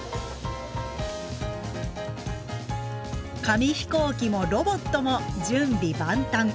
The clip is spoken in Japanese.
紙飛行機もロボットも準備万端。